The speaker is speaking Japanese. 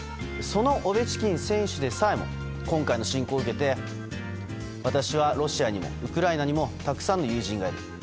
そのオベチキン選手でさえも今回の侵攻を受けて私はロシアにもウクライナにもたくさんの友人がいる。